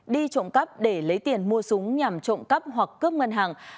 đi trộm cắp để lấy tiền mua súng nhằm trộm cắp hoặc cướp ngân hàng